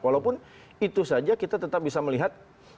walaupun itu saja kita tetap bisa melihat